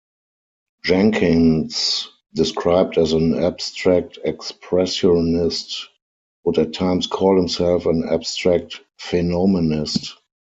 Jenkins, described as an abstract expressionist, would at times call himself an abstract phenomenist.